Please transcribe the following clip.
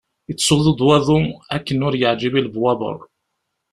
Yettsuḍu-d waḍu akken ur yeɛǧib i lebwaber.